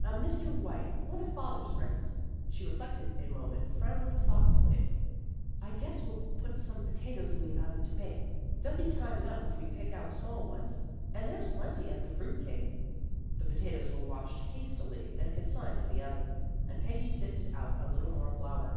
" A Mr. White, one of father's friends." She reflected a moment, frowning thoughtfully. 62 THE GIRLS OF FRIENDLY TERRACE " I guess we'll put some potatoes in the oven to bake. There'll be tune enough if we pick out small ones, and there's plenty of the fruit cake." The potatoes were washed hastily and con signed to the oven, and Peggy sifted out a little more flour.